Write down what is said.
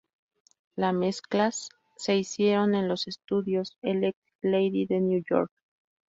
La mezclas se hicieron en los Estudios Electric Lady de New York.